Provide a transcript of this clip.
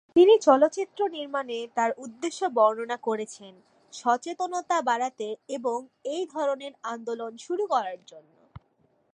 তিনি চলচ্চিত্র নির্মাণে তার উদ্দেশ্য বর্ণনা করেছেন সচেতনতা বাড়াতে এবং এই ধরনের আন্দোলন শুরু করার জন্য।